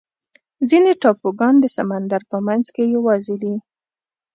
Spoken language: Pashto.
ځینې ټاپوګان د سمندر په منځ کې یوازې دي.